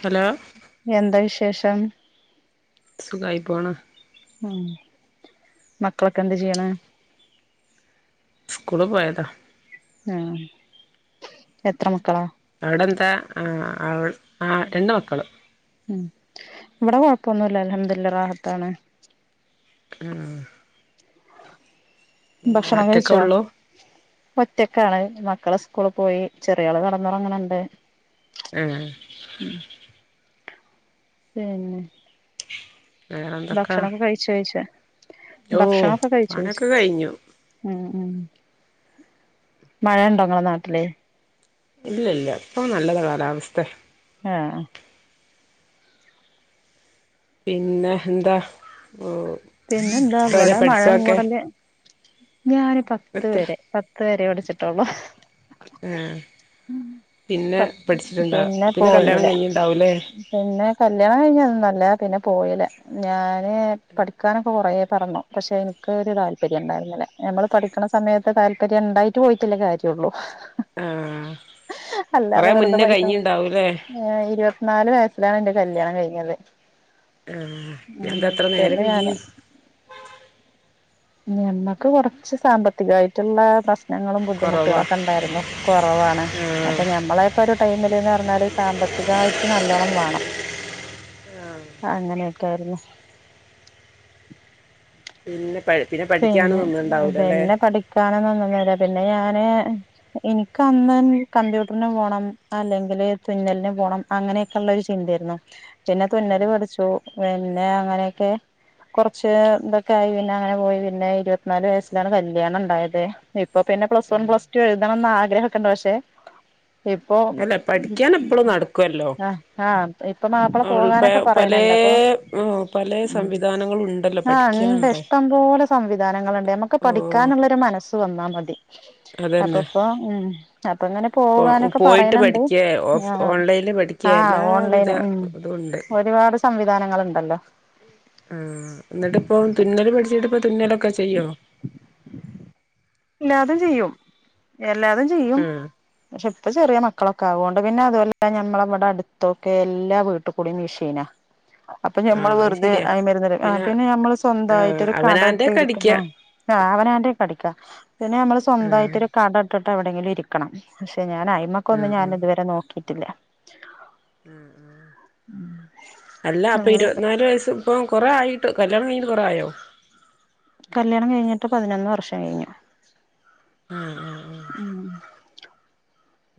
Hello എന്താ വിശേഷം? സുഖായി പോണ്. ഉം മക്കളൊക്കെ എന്ത് ചെയ്യണ്? സ്കൂള് പോയതാ. മ് എത്ര മക്കളാ? അവിടെന്താ ആ അവ് ആ രണ്ട് മക്കള്. ഇവട കൊഴപ്പൊന്നുല്ല അല്ഹംദില്ലറാഹത്താണ്. ഉം. പിന്നെ ഭക്ഷണം കഴിച്ചോ ഒറ്റക്കേഉള്ളൂ. ഒറ്റക്കാണ്, മക്കള് സ്കൂള് പോയി, ചെറിയാള് കിടന്നുറങ്ങണുണ്ട്. ഉം. പിന്നെ? വേറെന്തൊക്കാ ഭക്ഷണൊക്കെ കഴിചോഴിച്ച ഓ പണ്യൊക്കെ കഴിഞ്ഞു ഉം ഉം മഴണ്ടോ ഇങ്ങളെ നാട്ടില് ഇല്ല ഇല്ല ഇപ്പ നല്ല കാലാവസ്ഥെ ആഹ് പിന്നെ എന്താ ഓ പിന്നെ എന്താ ഇത്രവരെ ഇവടെ മഴ പഠിച്ചതൊക്കെ മൂടല് ഉം ഞാൻ പത്ത് എത്ര വരെ പത്ത് വരേ ഒടെ ചട്ട [unintelligible] ആ പിന്നെ മ്പ പഠിച്ചിട്ടുണ്ടാ പിന്നെ കല്യാണം പോയില്ല കഴിഞ്ഞിണ്ടാവൂലേ പിന്നെ കല്യാണം കഴിഞ്ഞ ഉം നല്ല പിന്നെ പോയില ഞാൻ ഏ പഠി ക്കാനൊക്കെ കൊറെ പറഞ്ഞു പക്ഷെ ഇൻക്ക് ഒരു താല്പര്യം ഇണ്ടായിരുന്നില്ല ഞമ്മള് പഠിക്ക്ണ സമയത്ത് താല്പര്യം ഇണ്ടായിട്ട് പോയിട്ടെല്ലേ കാര്യൊള്ളൂ ആ കൊറെ അല്ലാതെ വെറ്തെ മുന്നേ പൈസ കഴിഞ്ഞിണ്ടാവൂലേ ഏപ് ഇരുപത്തിനാല് വയസ് ലാണ് എന്റെ കല്യാണം കഴിഞ്ഞത് ആഹ് എന്ത ഇത്ര നേരം പിന്നെ വൈകി ഞാന് ഞമ്മക്ക് കൊറച്ച് സാമ്പത്തികായിട്ട്ള്ളെ പ്രശ്ന ഞങ്ങളും കൊറവാ ബുദ്ധിമുട്ടുകളൊക്കെണ്ടായിരുന്നു. കൊറവാണ് ആ അപ്പൊ ഞമ്മളെക്കെ ഒരു ടൈമില്ന്ന് പറഞ്ഞാല് സാമ്പത്തികായിട്ട് നല്ലോണ്ണം വാണം. അങ്ങനെക്കെയായിരുന്നു പിന്നെ പ പിന്നെ പഠിക്കാനൊന്നും ഉണ്ടാവൂലല്ലേ പിന്നെ പഠിക്കാനൊന്നും നിന്നില്ല. പിന്നെ ഞാന് ഇനിക്ക് അന്ന ൻ കമ്പ്യൂട്ടർന് പോണം അല്ലെങ്കില് തുന്നലിന് പോണം അങ്ങനെയൊക്കെള്ളൊരു ചിന്തേരുന്നു. പിന്നെ തുന്നല് പഠിച്ചു പിന്നെ അങ്ങനെയൊക്കെ കുറച്ച് ഇതൊക്കെ ആയി പിന്നെ അങ്ങനെ പോയി. പിന്നെ ഇരത്നാല് വയസ്സിലാണ് കല്യാണം ഇണ്ടായത്. ഇപ്പൊ പിന്നെ പ്ലസ് വൺ പ്ലസ് ടു എഴുതണന്ന് ആഗ്രഹൊക്കെണ്ട്. പക്ഷെ ഇപ്പൊ അല്ല പഠിക്കാൻ ഇപ്പളും നടക്കൊല്ലോ. ആ ആഹ് ഇപ്പൊ മാപ്പിള ഇൾപെ പോകാനൊക്കെ പലേ പറയണണ്ട് അപ്പൊ ഉം പലേ സംവിധാനങ്ങളുണ്ടല്ലോ പഠിക്കാൻള്ളെ സംവിധാനങ്ങള്ണ്ട് നമുക്ക് പഠിക്കാനുള്ളൊരു മനസ്സ് വന്നാ മതി അപ്പ അതന്നെ ഇപ്പൊ ഉം അപ്പൊ ഇങ്ങനെ പോവാനൊക്കെ പോയിട്ട് പറയണണ്ട്. പഠിക്കേ ഓഫ് ആ ഓൺലൈനിൽ പഠിക്കേ ആഹ് എല്ലാവിധ ഓൺലൈന് ഉം ഒരുപാട് സംവി ധാനങ്ങള് ഉണ്ടല്ലോ. ആഹ് എന്നിട്ടിപ്പോ തുന്നല് പടിച്ചിട്ടിപ്പോ തുന്നലൊക്കെ ചെയ്യോ? എല്ലാതും ചെയ്യും എല്ലാതും ചെയ്യും ആ പക്ഷെ ഇപ്പ ചെറിയ മ [inaudible] മക്കളൊക്കെ ആവുണ്ട് പിന്നെ അതുവല്ല മ്മളവിടെ അടുത്തൊക്കെ എല്ലാ വീട്ടികൂടി മീഷീനാ അപ്പൊ ആ ഞമ്മൾ അത് വെറുതെ ശരിയാ ആയി [inaudible] ആ പിന്നെ ഞമ്മള് ആ സ്വന്തവായിരിട്ടോരു കട അവനാന്റെ ഇട്ട് ഒക്കെ അടിക്ക ഇരിക്ക [inaudible] പിന്നെ നമ്മള് ആ സ്വന്തയിട്ട് ഒരു കട ഇട്ടിട്ട് എവിടെങ്കിലും ഇരിക്കണം [inaudible] ഞാന അയ്മക്ക് ആ ഒന്ന് ഞാനി തുവരെ നോക്കിട്ട് ത്തില്ല ആഹ് ആഹ് അല്ല അപ്പൊ അങ്ങനെയൊക്കെ ഇരുപത്തിനാല് വയസ് ഇപ്പ കൊറ ആയിട്ട് കല്യാണം കയിഞ്ഞിട്ട് കൊറേ ആയോ കല്ല്യാണം കഴിഞ്ഞിട്ട് പതിനൊന്ന് വർഷം കഴിഞ്ഞു ആഹ് ഉം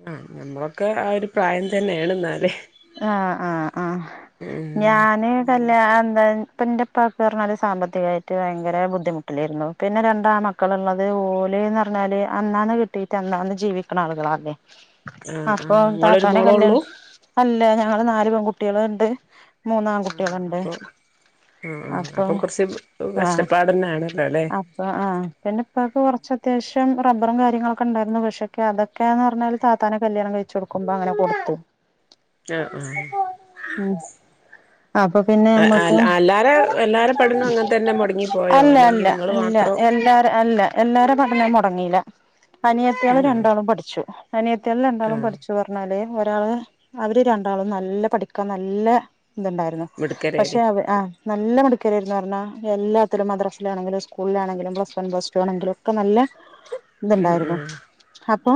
ആ ഞമ്മളൊക്കെ ആ ഒരു പ്രായം തന്നെയാണ് എന്നാല് ആഹ് ആഹ് ആഹ് ഉം ഞാന് കല്യാ എന്താ അപ്പ എന്റെപ്പക് പറഞ്ഞാല് സാമ്പത്തികയിട്ട് ഭയങ്കര ബുദ്ധിമുട്ടിലയിരുന്നു പിന്നെ രണ്ടാണ്മക്കളുള്ളത് ഓലെന്ന് പറഞ്ഞാല് അന്നാന്ന് കിട്ടിയിട്ട് അന്നാന്ന് ജീവിക്കണ ആളുകളാന്നേ ആഹ് ആഹ് നിങ്ങളൊരു താത്തനെ മോളേ ഉള്ളൂ കല്യാണം അല്ല ഞങ്ങള് നാല് പെൺകുട്ടികളുണ്ട് മൂന്ന് ആഹ് ആൺകുട്ടികളുണ്ട് അപ്പൊ ആഹ് ആഹ് അപ്പൊ കുറച്ച് ആ കഷ്ടപ്പാട് തന്നെയാണല്ലോ അല്ലേ അപ്പൊ ആ പിന്ന ഇപ്പക്ക് കുറച്ച് അത്യാവശ്യം റബറും കാര്യങ്ങളൊക്ക ഉണ്ടായിരുന്നു പക്ഷേെ അതൊക്കാന്ന് പറഞ്ഞാല് ത്താത്താനെ കല്യാണം കഴിച്ച് കൊടുക്കും ക്കുമ്പോ അങ്ങനെ കൊടുക്കും ആഹ് ആഹ് ഉം. അപ്പൊ പിന്നെ നമ്മക്ക് അല്ല അല്ലാരെ എല്ലാരെ പഠനം അങ്ങനെ തന്നെ മുടങ്ങി പോയോ അല്ല അല്ല അല്ലെങ്കിൽ നിങ്ങൾ അല്ല മാത്രം എല്ലാര അല്ല എല്ലാരും പറഞ്ഞ മടങ്ങീല അനിയത്തിയാള് ആഹ് രണ്ടാളും പഠിച്ചു അനിയത്തിയാള് രണ്ടാളും ആഹ് പഠിച് അതേ ഒരാള് അവര് രണ്ടാളും നല്ല പഠിക്കാൻ നല്ല ഇതുണ്ടായിരുന്നു പക്ഷെ മിടുക്കരേനി അവ ആ നല്ല മിടു എന്ന് പറഞ്ഞാൽ എല്ലാത്തിലും മദ്രസിലാണെങ്കിലും സ്കൂളിലാണെങ്കിലും പ്ലസ് വൺ പ്ലസ് ടു ആണെങ്കിലും ഒക്കെ നല്ല ഉം ഇതുണ്ടായിരുന്നു ഉം അപ്പൊ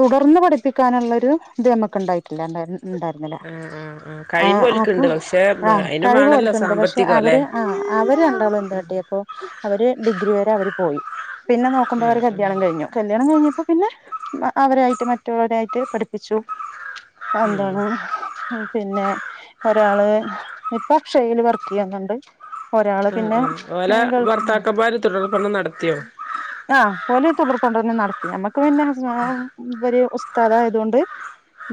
തുടർന്ന് പഠിപ്പിക്കാനുള്ള ഇത് നമുക്ക് ഉണ്ടായിട്ടില്ലുണ്ടായിരുന്നു ഉണ്ടായിരുന്നില്ല. ആഹ് ആഹ് ആഹ് ആ കഴിവ് അപ്പൊ ഓൽക്കുണ്ട് പക്ഷെ ആ അതിനും കഴിവ് വേണല്ലോ അവർക്കുണ്ട്. പക്ഷെ സാമ്പത്തികം അല്ലേ അവര് ആ അവര് രണ്ടാളും എന്താ കിട്ടിയപ്പോൾ അപ്പോ അവര് ഡിഗ്രി വരെ അവര് പോയി. പിന്നെ നോക്കുമ്പോ ആഹ് അവര് ആഹ് കല്യാണം കഴഞ്ഞു കല്യാണം കഴിഞ്ഞപ്പോ പിന്നെ അവരായിട്ട് മറ്റുള്ളവരായിട്ട് പഠിപ് പിച്ചു എന്താണ് പിന്നെ ഒരാള് ഇപ്പോ അക്ഷയയിൽ വർക്ക് ചെയ്യുന്നുണ്ട് ഒരാള് ആഹ് പിന്നെ ആഹ് ഓലെ എ ഗൾഫ് ഭർത്താക്കന്മാര് തുടർപഠനം നടത്തിയോ ആ ഒല തുടർക്കൊണ്ടന്ന് നട ഞമക് [unintelligible] തതായതുകൊണ്ട്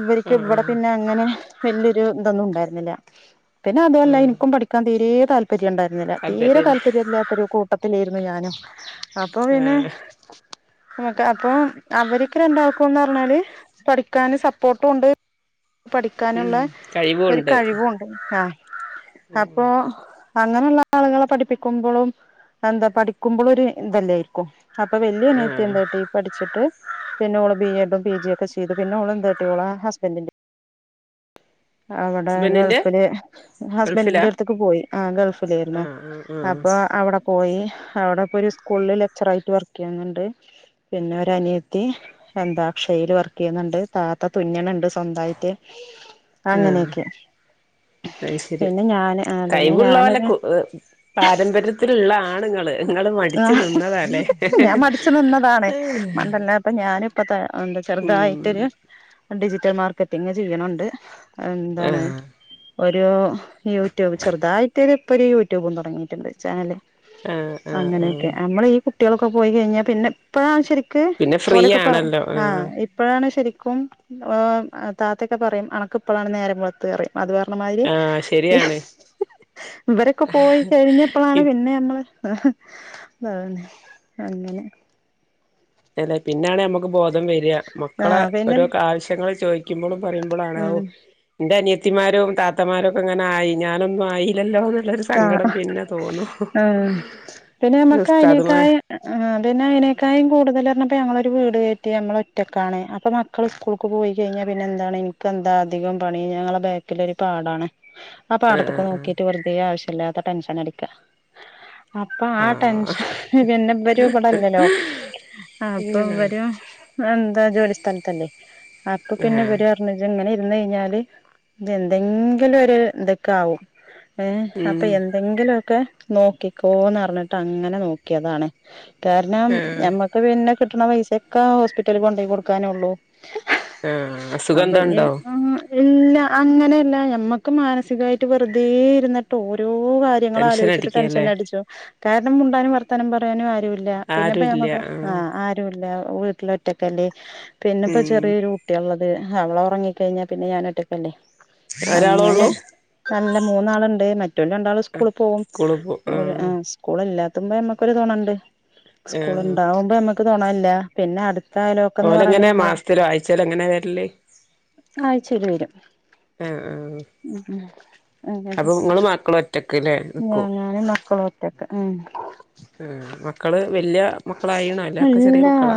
ഇവർക്ക് ആഹ് ഇവിടെ ആഹ് പിന്നെ അങ്ങനെ വല്യൊരു ഇതൊന്നും ഉണ്ടായിരുന്നില്ല പിന്നെ അതുമല്ല ആഹ് എനിക്കും പഠിക്കാൻ തീരേ താല്പര്യം ഉണ്ടായിരുന്നില്ല തീരെ താല്പര്യല്ല താല്പര്യമില്ലാത്തരു കൂട്ടത്തിലായിരുന്നു ഞാനും അപ്പൊ പിന്നെ ആഹ് നമുക്ക് അപ്പൊ അവർക്ക് രണ്ടാൾക്കുംന്ന് പറഞ്ഞാല് പഠി ക്കാന് സപ്പോർട്ടും ഉണ്ട് ഉം പഠിക്കാനുള്ള ഒരു കഴിവുണ്ട് കഴിവുംഉണ്ട് ആ ഉം അപ്പോ അങ്ങനെയുള്ള ആളുകളെ പഠിപ്പിക്കുമ്പോഴും എന്താ പഠിക്കുമ്പോളും ഒരു ഇന്തെല്ലാരിക്കും അപ്പൊ വലിയ അനത്തി ആഹ് എന്തായിട്ട് ഈ പഠിച്ചിട്ട് പിന്നെ ഓള് ബി എഡ് ഇപ്പം പീ ജി യൊക്കെ ചെയ്തു പിന്നെ ഓള് [unintelligible] തട്ടിയോള ഹസ്ബൻഡിന്റെ അവിടെ ഹസ്ബൻഡിന്റെ ഗൾഫില് ഗൾഫിലാ ഹസ്ബൻഡിന്റെ അടുത്തേക്ക് പോയി ആ ഗൾഫിലായിരുന്നു ആഹ് ആഹ് ആഹ് അപ്പൊ അവിടെ പോയി അവിടെ ഇപ്പൊ ഒരു സ്കൂളില് ലെക്ചറ ആയിട്ട് വർക്ക് ചെയ്യുന്നുണ്ട് പിന്നെ ഒരു അനിയത്തി എന്താക്ഷൽ വർക്ക് ചെയ്യുന്നുണ്ട് താത്ത തുന്നണുണ്ട് സ്ന്തായിട്ട് ആ അ ശര് പിന്നെ ഞാന് ആ പിന്നെ കൈിവുള്ള ഞാനൊരു പോലെ പാരമ്പര്യത്തിലുള്ള ആണുങ്ങൾ നിങ്ങള്ൾ മടച്ച്ു ആഹ് നിന്നതല്ലേ ഞാൻ മടിച്ചു നിന്നതാണ് മണ്ടല്ല അപ്പൊ ഞാനിപ്പ ത എന്താ ഉ ചെറുതായിട്ടൊരു ഡിജിറ്റൽ മാർക്കറ്റിങ്ങ് ചെയ്യണണ്ട് എന്താണ് ആഹ് ഒരു യൂട്യൂബ് ചെറുതായിട്ട്ൊ ഇപ്പ ഒരു യൂട്യൂബും തുടങ്ങിയിട്ടുണ്ട് ചാനല് ആഹ് ആഹ് അങ്ങനെയൊക്കെ ആഹ് നമ്മള ഈ കുട്ടികളൊക്കെ പോയിഴഞ്ഞാ പിന്നെ ഇപ്പോഴാണ് ശരിക്കും പിന്നെ ഫ്രീ പോലൊക്കെ പറയാ ആണല്ലോ ആ ആഹ് ഇപ്പോഴാണ് ശ ും താത്തൊക്കെ പറയും ഒക്കെപ്പോാണ നേരരെ മുളത്തത്ത് പറിയയും അത് പറാരണമാതിരി ആഹ് ശരിയാണ് ഇവരൊക്കെ പോയി കഴിഞ്ഞപ്പോഴാണ് പിന്നെ നമ്മള് അന്നെ അങ്ങനെ അല്ലെ പിന്നണെ നമക്ക് ബോധം വരിക മക്കളെ ആഹ് പിന്നെ ഓരോ ആവശ്യങ്ങൾ ചോദിക്കുമ്പോഴും പറയുമ്പോഴ എറെ അന ഉം കുത്തിമാരും താത്തമാരും ഒക്കെ അങ്ങനെ ആയി ഞാനൊന്നും ആയില്ലല്ലോ എന്നുള്ളൊരു ആ സങ്കടം പിന്നെ തോന്നും ആ പിന്നെ നമ്മക്കൾക്ക് ഉസ്താദുമാ അയിതിനേക്കായും കൂടുതൽണം അപ്പോൾ ഞങ്ങളൊരു വീട് കയറ്റി മ്മള ഒറ്റക്കാണ് അപ്പോൾ മക്കൾ സ്കൂളേക്ക് പോയി കഴിഞ്ഞാൽ പിന്നെ എന്താണ് എനിക്ക് എന്താധിക പണി ഞങ്ങളുടെ ബാക്കിലൊരു പാടാണ് അപ്പൊ ആ അടുത്തൊക്കെ ആ നോക്കിട്ട് പറ വല്ലാത്ത ടെൻഷൻ അടിക്ക- അപ്പൊ ആ ടെൻഷൻ പിന്നെവരും ഇവിടെല്ലല്ലോ അപ്പൊ ആഹ് ഇരും ജോലിസ്ഥഥലത്തല്ലേ അപ്പൊ പിന്നെ ആഹ് ഇവര് പറഞ്ഞ എങ്ങനെ കഴിഞ്ഞാല് എന്തെങ്കിലും ഒരു എന്തൊക്കെ ആകും ഏ അപ്പൊ ഉം എന്തെങ്കിലും ഒക്കെ നോക്കിക്കോന്ന് പറഞ്ഞിട്ട് അങ്ങനെ നോക്കിയതാണ് കാരണം ആഹ് ഞമ്മക്ക് പിന്നെ കിട്ടണ പൈസയ ഒക്കെ ആ ഹോസ്പിറ്റൽ കൊണ്ട്പോയി കൊടുക്കാനുള്ളൂ ആഹ അസുഖം ഉണ്ടോ ഇല്ല അങ്ങനെയല്ല ഞമ്മക്ക് മാനസികായിട്ട് വെറുതെ- എന്നിട്ട് ഓരോ കാര്യങ്ങള ടെൻഷൻ ആലോചിച്ചിട്ട് അടിക്കല്ലേ ടെൻഷൻടിച്ചു മിണ്ടാനും വർത്തനം പറാനും ആരും ഇല്ല ഇല്ല പിന്നെപ്പ ആരുല്ല മക്ക് ആഹ് ആ ആല്ല വീട്ടില ഒറ്റക്കല്ലേ പിന്നെപ്പോ ഉം ചെറിയൊരു കുട്ടിയ ഉള്ളത് അവള ഉറങ്ങിക്ക കഴിഞ്ഞാ പിന്നെ ഞാന ഇട്ടിപ്പല്ലേ അങ്ങനെ ഒരാളോള്ളൂ നല്ല മൂന്നാളുണ്ട് മറ്റ രണ്ടാും സ്കൂ പോകും സ്കൂള് പോ ആഹ് സ്കൂൾല്ലാ പത്തുമ്പോ നമ്മക്കൊ തോണുണ്ട് സ്കൂള ആഹ് ഉണ്ടാവുമ്പോമ്മക്ക് തോണല്ല പിന്നെ അടു [unintelligible] യാലോക്കന്ന് പറയണ ഓലെങ്ങനെ നഞമ്മള് മാസത്തിലോ ആഴ്ചയിലോ എങ്ങനെ വരല് ആ ശരി വരും ആഹ് ആഹ് ഉ അതെക്കെ അപ്പൊ ഇങ്ങള് മക്കള് ഒറ്റക്ക്ല്ലേ നിക്കും ഞങ്ങൾ മക്കളൊക്കെ ഉണ്ട്‌ ആഹ് മക്കള് വല്യ മക്കളായിണോ അല്ല ഒക്കെ ചെറിയ ഇല്ല മക്കളാ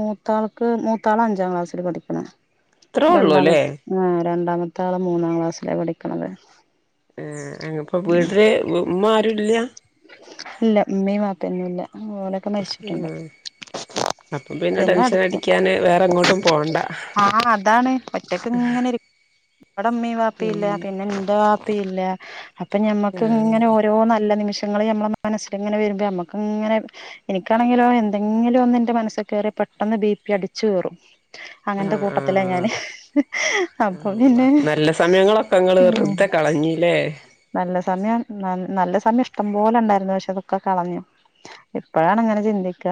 മൂത്താൾക്ക് മൂത്താള് അഞ്ചിൽ ക്ാസ്സിില് പഠിക്കന ഇത്രേ ഉള്ളൂല്ലേ രണ്ടാമത്തെ ആ രണ്ടാമത്തെ ആള്െ മൂന്നാം ക്ലാസ്സിലെ പഠിക്ക എന്നല്ലേ [unintelligible] ഏർ അങ്ങപ്പൊ വീട്ടില് ഉമ്മ ആരുല്ല ഓനൊക്കെ മരിച്ചിട്ടുണ്ട് അപ്പം പിന്നെ ടെൻഷൻ അടുത്ത് അടിക്കാന് വേറെ എങ്ങോട്ടും പോണ്ട ആഹ അതാണ് ഒറ്റക്ക ഇങ്ങനെടെ അമ്മയും വാപ്പ ഇല്ല ഉം പിന്നെ വാപ്പല്യാ അപ്പൊ ഞമ്മക്ക് ആഹ് ഇങ്ങനെ ഓരോ നല്ല നിമിഷം വങ്ങള് നമ്മളെ മനസ്സില ഇങ്ങനെ വരുമ്പോ നമ്മക്ക് ഇങ്ങനെ എനിക്കാണെങ്കിലോ എന്തെങ്കിലും ഒന്ന് എന്റെ മനസ്സൽ കയറി പെട്ടെന്ന് ബി പി അടിച്ചു കയറും അങ്ങനത്തെ ആഹ് കൂട്ടത്തില ഞാന് ആഹ് അപ്പൊ അള്ളാ പിന്നെ നല്ല സമയങ്ങളൊക്കെ ഇങ്ങള് ഉ വെറുതെ കളഞ്ഞില്ലേ നല്ല സമയം ന നല്ല സയ ഇഷ്ടം പോലെ ഉണ്ടായിരുന്നു പക്ഷെ അതൊക്കെ കളഞ്ഞു ഇപ്പഴാാണ് ഇങ്ങനെ ചിന്തിക്ക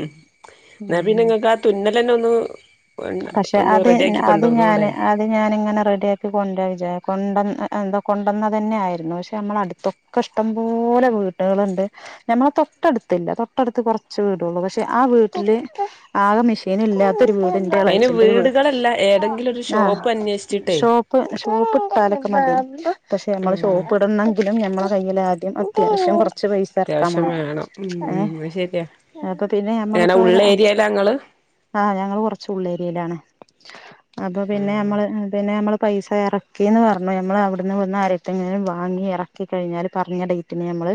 ഉ എന്നാ പിന്നെ ഉം നിങ്ങക്ക് ആ തുന്ന അല്ലന്ന ഒന്ന് പക്ഷെ ഒന്ന് അത് റെഡിയാക്കി അത് ഞാന് കൊണ്ടോന്നൂടെ അത് ഞാനിങ്ങനെ റെഡിയ ആാക്കി കൊണ്ട വിച കൊണ്ട എന്താ കൊണ്ടുവന്ന തന്നെയ ആായിരുന്നു പക്ഷെ നമ്മള അടുത്തൊക്കെ ഇഷ്ടംപോലെ വീട്ടുകളുണ്ട് നഞമ്മള തൊട്ടടുത്തില്ല തൊട്ടടുത്ത് കുറച്ച് വീടുള്ളൂ പക്ഷെ ആ വീട്ടില് ആകെ മെഷീൻ ഇല്ലാത്തൊരു വീട് അയിന് വീടുകളല്ല ഏതെങ്കിലും ഒരു ആ ഷോപ്പ് അന്വേഷിച്ചിട്ടേ ഷോപ്പ് ഷോപ്പ് ഇട്ടാലൊക്കെ മ പക്ഷെ നമ്മള് ആഹ് ഷോപ്പ് ഇടണമെങ്കിലും മ്മ യ്യില ആദ്യം അത്യാവശ്യം പൈസ ഇറക്കാൻ അത്യാവശ്യം മാണം വേണം ഉ ഉ ഏഹ് അത് ശെരിയാ അപ്പൊ പിന്നെ എങ്ങനെ ഞമ്മളിപ്പോ ഉള്ള ഒരു ഏരിയല്ല ങ്ങള് ആഹ് ഞങ്ങള് കൊറച്ച് ഉള്ളേരിയയിലാണ് അപ്പ പിന്നെ ആഹ് നമ്മള് പിന്നെ നമ്മള് പൈസ ഇറക്കന്ന് പറഞ്ഞു നമ്മൾ അവിടുന്ന് വന്ന ആരത്തെെങ്ങനും വാങ്ങി ഇറക്കി കഴിഞ്ഞാല് പറഞ്ഞ ഡേറ്റിന് നഞമ്മള്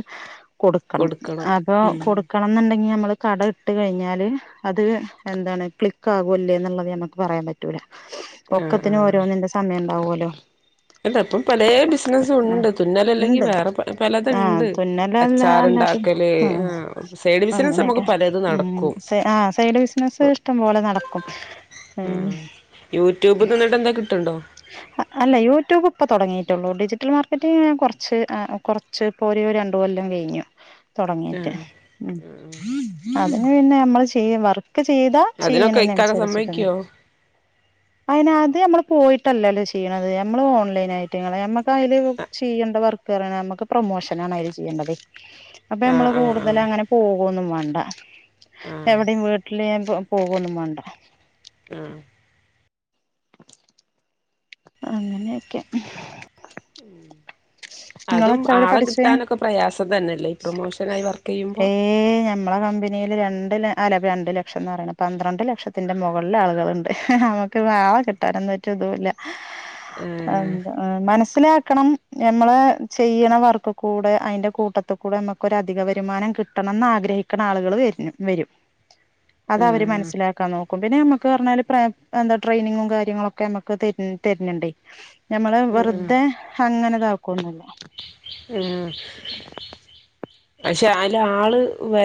കൊടുക്കണം അപ്പൊ കൊടുക്കണം എന്നുണ്ടെങ്കിൽ നമ്മള് കടം ഇട്ട് കഴിഞ്ഞാൽ അത് എന്താണ് ക്ലിക്ക് ആകൂല്ലേ എന്നുള്ളത് ഞമുക്ക് പറയാൻ പറ്റൂല ആഹ് ഒക്കത്തിനന് ഓരോന്നിന്റെ സമയം ഉണ്ടാവല്ലോ ലോ ഇന്താ ഇപ്പം പല ബിസിനസ ഉണ്ട് തുന്നല അല്ലെങ്കി ഇണ്ട് വേറെ ആഹ് പലതുണ്ട് തുന്നലല്ല അല്ലാത്ത അച്ചാറുണ്ടാക്കല് ആഹ് സൈഡ് ബിസിനസ്‌ നമ്മുക്ക് അങ്ങനെയൊക്കെ പലത് ഉം നടക്കും ആഹ് സൈഡ് ബിസിനസ് അപ്പൊ ഇഷ്ടം പോലെ നടക്കും ആ ഉം യൂട്യൂബ് നിന്നിട്ട് എന്താ കിട്ടണ്ട അല്ല യൂട്യൂബ് ഇപ്പൊ തുടങ്ങിയിട്ടുള്ളൂ ഡിജിറ്റൽ മാർക്കറ്റി കുറച്ച് കുറച്ച് ഇപ്പോ ഒരേ രണ്ടു കൊല്ലം കഴിഞ്ഞു തുടങ്ങിയിട്ട് ആഹ് ഉ അതെ അ പിന്നെ നമ്മള് ചെയ്യ വർക്ക് ചെയ്ത അതിനൊക്കെ ഇക്കാക്ക ചെയ്യണനുസരിച്ചിട്ട സമ്മയ്ക്കോ അത് നമ്മൾ പോയി ല്ലല്ലോ ചെയ്യണത് നമ്മൾ ഓൺലൈൻ ആയിട്ട നമ്മക്ക് അല് ചെയ്യേണ്ട വർക്ക നമ്മുക്ക് പ്രൊമോഷൻ ആണ് അല് ചെയ്യേണ്ടത് അപ്പൊ ആഹ് നമ്മള് ആഹ് കൂടുതൽ ആഹ് അങ്ങനെ പോകന്നും ഉണ്ട ആഹ് എവിടെയും വീട്ടില് പോകൊന്നും വേണ്ട ആ അങ്ങനെയൊക്കെ ഉം നിങ്ങള് അതും എത്ര വരെ ആളെ പഠിച്ചേ കിട്ടാനൊക്കെ പ്രയാസം തന്നെല്ലേ പ്രൊമോഷൻ ആയി ഏ ഞമ്മളെ കമ്പനിയില് രണ്ട് ല അല്ല രണ്ട് ലക്ഷം ന്ന് പറയ്ണ് പന്ത്രണ്ട് ലക്ഷത്തിൻ്റെ മുകളില് ആളുകളുണ്ട് ക്കൊരുആളെകിട്ടാനെ ന്നും ഒറ്റ ഇതു ല്ല ആഹ് എന്താ മനസ്സിലാ ക്കണം നമ്മള് ചെയ്യണ വർക്ക്കൂടെ അയിന്റെ കൂട്ടത്ത്കൂടെ നമ്മക്കെര് അധിക തീരുമാനം കിട്ടണന്ന് ആഗ്രഹിക്ക്ണ ആളുകൾ വ വരും അത് അവര് ആഹ് മനസ്സിലാക്കാൻ നോക്കും കും പിന്നെ നമ്മക്ക് പറഞ്ഞാല് എന്താ ട്രെയിനിങ്ങും കാര്യങ്ങളൊക്കെ നമ്മക്ക് തര്ന്ണ്ട് ഞമ്മള് ആഹ് വെറുതെ അങ്ങനെ താ കൊന്നുല്ല ആഹ് ഉം പക്ഷെ അയില് ആള് വരാ